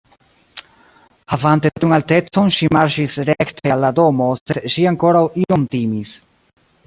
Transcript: Havante tiun altecon ŝi marŝis rekte al la domo, sed ŝi ankoraŭ iom timis.